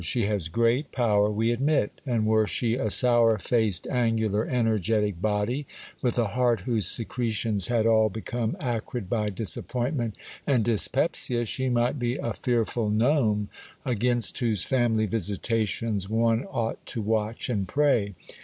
She has great power, we admit; and were she a sour faced, angular, energetic body, with a heart whose secretions had all become acrid by disappointment and dyspepsia, she might be a fearful gnome, against whose family visitations one ought to watch and pray.